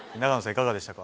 いかがでしたか？